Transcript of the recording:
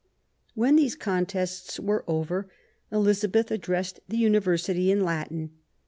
When these contests were over Elizabeth ad dressed the University in Latin.